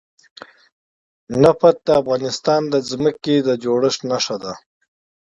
نفت د افغانستان د ځمکې د جوړښت نښه ده.